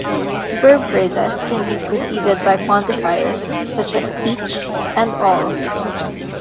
Verb phrases can be preceded by quantifiers such as "each", and "all".